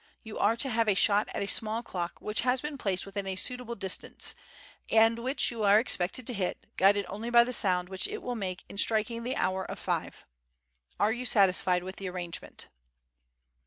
You are to have a shot at a small clock which has been placed within a suitable distance, and which you are expected to hit, guided only by the sound which it will make in striking the hour of five. Are you satisfied with the arrangement?"